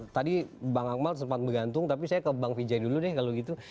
tadi bang akmal sempat bergantung tapi saya ke bang vijay dulu deh kalau gitu